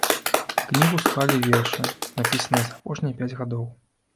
Кнігу склалі вершы, напісаныя за апошнія пяць гадоў.